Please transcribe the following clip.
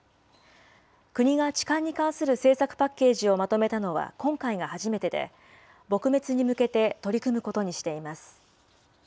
国が痴漢に関する政策パッケージをまとめたのは今回が初めてで、撲滅に向けて取り組むことにしています。